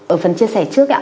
ở phần chia sẻ trước ạ